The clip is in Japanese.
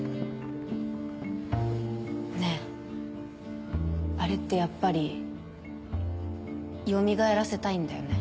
ねぇあれってやっぱりよみがえらせたいんだよね？